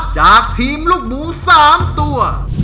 จากทีมลูกหมู๓ตัว